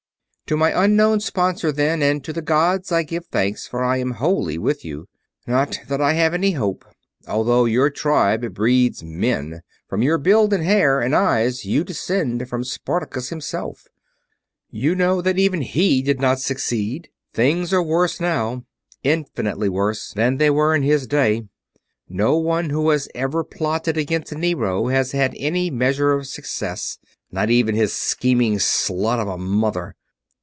To my unknown sponsor, then, and to the gods, I give thanks, for I am wholly with you. Not that I have any hope. Although your tribe breeds men from your build and hair and eyes you descend from Spartacus himself you know that even he did not succeed. Things now are worse, infinitely worse, than they were in his day. No one who has ever plotted against Nero has had any measure of success; not even his scheming slut of a mother.